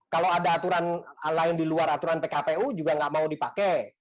kalau ada aturan lain di luar aturan pkpu juga nggak mau dipakai